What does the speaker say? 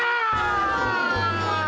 banyak banget itu ah